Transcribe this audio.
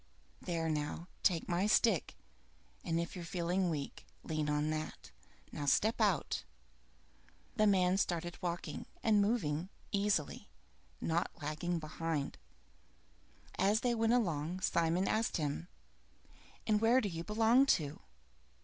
There now, take my stick, and if you're feeling weak, lean on that. Now step out!" The man started walking, and moved easily, not lagging behind. As they went along, Simon asked him, "And where do you belong to?"